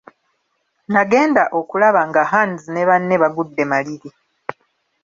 Nagenda okulaba nga Hands ne munne bagudde maliri.